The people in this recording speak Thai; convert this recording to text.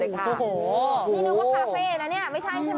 นี่นึกว่าคาเฟ่นะเนี่ยไม่ใช่ใช่ไหม